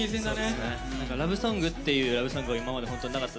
ラブソングっていうラブソングは今まで本当になかった。